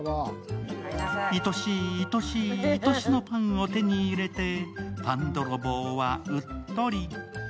いとしい、いとしい、いとしのパンを手に入れてパンどろぼうはうっとり。